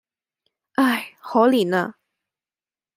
唉！可憐呀！